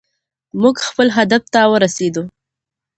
موږ خپل هدف ته ورسېدو.